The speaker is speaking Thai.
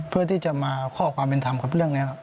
เพื่อที่จะมาขอความเป็นธรรมกับเรื่องนี้ครับ